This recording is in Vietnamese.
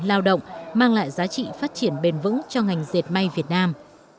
lao động mang lại giá trị phát triển bền vững cho ngành dệt may việt nam